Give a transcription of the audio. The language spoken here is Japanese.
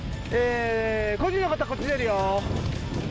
個人の方こっち出るよ。